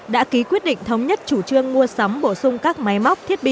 đã ký quyết định thống nhất chủ trương mua sắm bổ sung các máy móc thiết bị